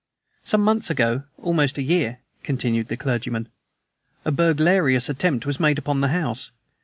"Some months ago, almost a year," continued the clergyman, "a burglarious attempt was made upon the house.